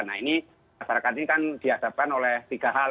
nah ini masyarakat ini kan dihadapkan oleh tiga hal